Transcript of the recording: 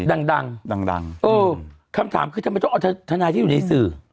ดังดังดังเออคำถามคือทำไมต้องเอาทนายที่อยู่ในสื่อ